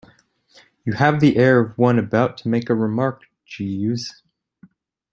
You have the air of one about to make a remark, Jeeves.